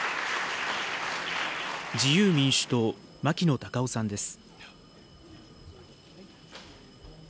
自由民主党、牧野たかおさんです。